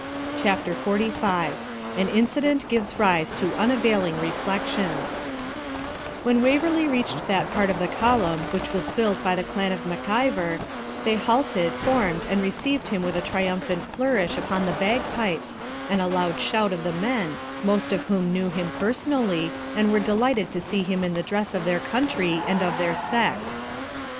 CHAPTER XLV AN INCIDENT GIVES RISE TO UNAVAILING REFLECTIONS When Waverley reached that part of the column which was filled by the clan of Mac Ivor, they halted, formed, and received him with a triumphant flourish upon the bagpipes and a loud shout of the men, most of whom knew him personally, and were delighted to see him in the dress of their country and of their sept.